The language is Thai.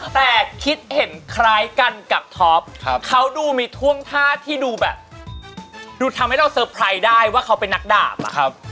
แต่คิดเห็นคล้ายกันกับท็อปเขาดูมีท่วงท่าที่ดูแบบดูทำให้เราเตอร์ไพรส์ได้ว่าเขาเป็นนักดาบอะ